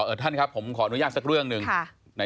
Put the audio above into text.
ท่านครับผมขออนุญาตสักเรื่องหนึ่ง